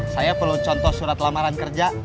saya perlu contoh surat lamaran kerja